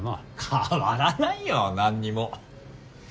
変わらないよなんにも。